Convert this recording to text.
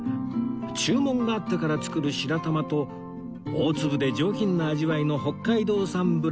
注文があってから作る白玉と大粒で上品な味わいの北海道産ブランド小豆豊祝